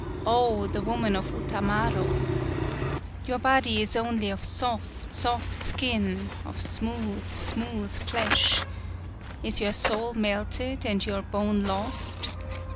O, the Woman of Utamaro! 105 PAULOWNIA Your body is only of soft, soft skin, of smooth, smooth flesh. Is your soul melted and your bone lost?